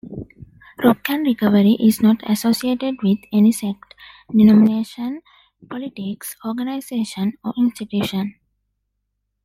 Rock and Recovery is not associated with any sect, denomination, politics, organization or institution.